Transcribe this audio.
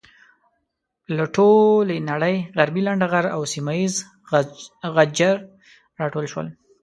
له ټولې نړۍ عربي لنډه غر او سيمه یيز غجر راټول شول.